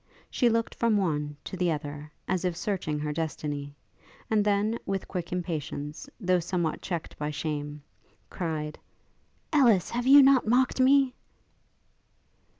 She looked from one to the other, as if searching her destiny; and then, with quick impatience, though somewhat checked by shame, cried, 'Ellis! have you not mocked me?'